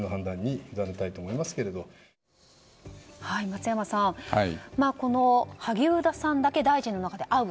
松山さん、萩生田さんだけ大臣の中で会う。